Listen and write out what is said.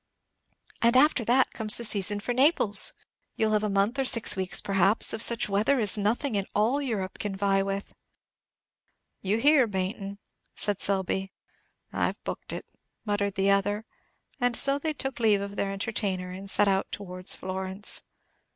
"And after that comes the season for Naples, you have a month or six weeks, perhaps, of such weather as nothing in all Europe can vie with." "You hear, Baynton!" said Selby. "I've booked it," muttered the other; and so they took leave of their entertainer, and set out towards Florence.